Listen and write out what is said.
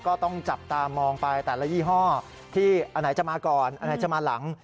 ก็ต้องจับตามองไปแต่ละยี่ห้อที่อันไหนจะมาก่อนอันไหนจะมาหลัง